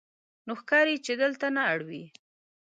نو ښکاري چې دلته نه اړوې.